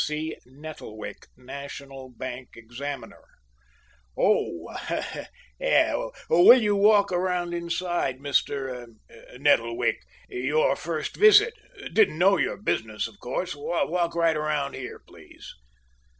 F. C. Nettlewick National Bank Examiner "Oh er will you walk around inside, Mr. er Nettlewick. Your first visit didn't know your business, of course. Walk right around, please."